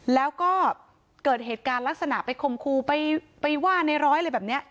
แล้วก็เกิดเหตุการณ์ลักษณะไปคมครูไปว่าในร้อยอะไรแบบนี้